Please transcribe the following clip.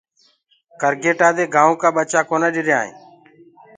ڪرگيٽآ دي گآيوُنٚ ڪآ ٻچآ ڪونآ ڏريآئينٚ۔